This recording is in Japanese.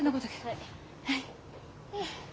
はい。